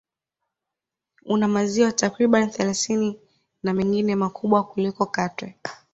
Una maziwa takriban thelathini na mengine makubwa kuliko Katwe